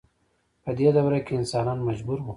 په دې دوره کې انسانان مجبور وو.